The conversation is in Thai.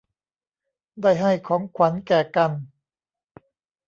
ได้ให้ของขวัญแก่กัน